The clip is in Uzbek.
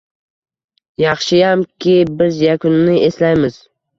Yaxshiyamki, biz Yakunini eslaymiz